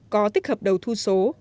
có tích hợp đầu thu số